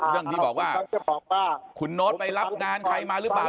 เรื่องที่บอกว่าคุณโน๊ตไปรับงานใครมาหรือเปล่า